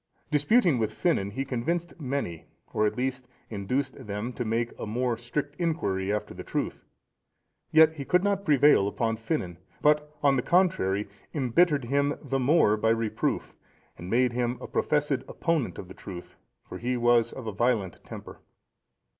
Disputing with Finan, he convinced many, or at least induced them to make a more strict inquiry after the truth; yet he could not prevail upon Finan, but, on the contrary, embittered him the more by reproof, and made him a professed opponent of the truth, for he was of a violent temper.